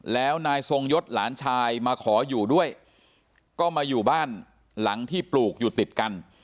แล้วนายทรงยศหลานชายมาขออยู่ด้วยก็มาอยู่บ้านหลังที่ปลูกอยู่ติดกัน